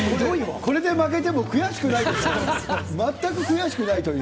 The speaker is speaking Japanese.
これで負けても悔しくないという。